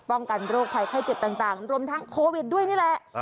ป้องกันโรคภัยไข้เจ็บต่างรวมทั้งโควิดด้วยนี่แหละ